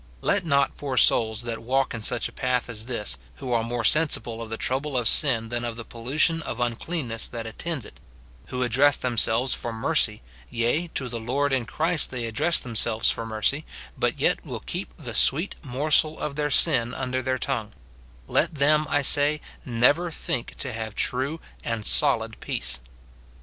Let not poor souls that walk in such a path as this, who are more sensible of the trouble of sin than of the pollution of unclean ness that attends it ; who address themselves for mercy, yea, to the Lord in Christ they address themselves for mercy, but yet will keep the sweet morsel of their sin under their tongue ;— let them, I say, never think to have true and solid peace.